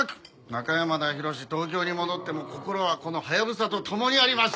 中山田洋東京に戻っても心はこのハヤブサと共にあります！